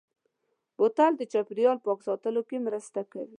بوتل د چاپېریال پاک ساتلو کې مرسته کوي.